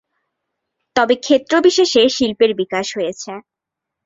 তবে ক্ষেত্রবিশেষে শিল্পের বিকাশ হয়েছে।